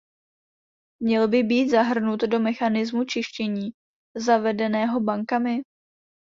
Měl by být zahrnut do mechanismu čištění zavedeného bankami?